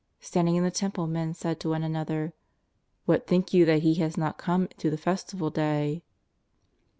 Standing in the Temple men said to one another: " What think you that He has not come to the fes tival day